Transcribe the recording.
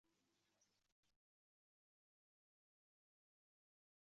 Yaqin kunlarda oʻz bolalaringizdan qaytadi